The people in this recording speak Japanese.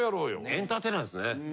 エンターテイナーですね。